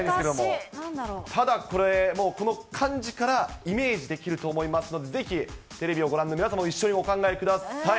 ただこれ、この漢字からイメージできると思いますので、ぜひテレビをご覧の皆様も一緒にお考えください。